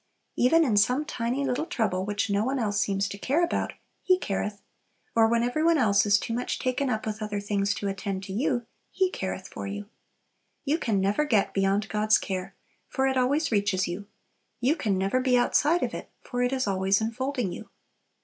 Even in some tiny little trouble which no one else seems to care about, "He careth;" or when every one else is too much taken up with other things to attend to you, "He careth for you." You can never get beyond God's care, for it always reaches you; you can never be outside of it, for it is always enfolding you.